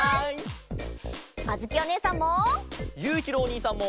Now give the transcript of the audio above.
あづきおねえさんも。